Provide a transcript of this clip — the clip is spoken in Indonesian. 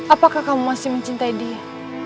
apakah kamu masih mencintai dia